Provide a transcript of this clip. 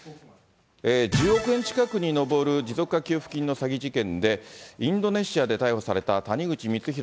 １０億円近くに上る持続化給付金の詐欺事件で、インドネシアで逮捕された谷口光弘